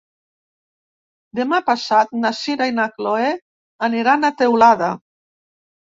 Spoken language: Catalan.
Demà passat na Sira i na Chloé aniran a Teulada.